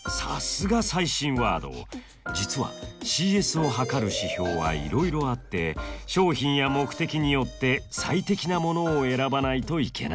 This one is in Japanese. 実はＣＳを測る指標はいろいろあって商品や目的によって最適なものを選ばないといけないんです。